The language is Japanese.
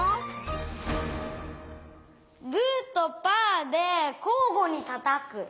グーとパーでこうごにたたく。